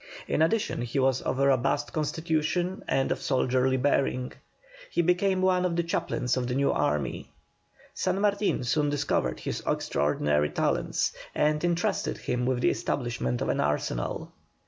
In addition he was of a robust constitution and of soldierly bearing. He became one of the chaplains of the new army. San Martin soon discovered his extraordinary talents, and entrusted him with the establishment of an arsenal.